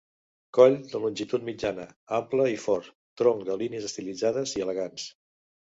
Coll de longitud mitjana, ample i fort, tronc de línies estilitzades i elegants.